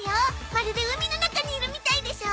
まるで海の中にいるみたいでしょ？